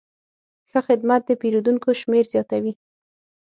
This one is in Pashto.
ښه خدمت د پیرودونکو شمېر زیاتوي.